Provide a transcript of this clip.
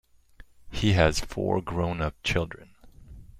He has four grown-up children.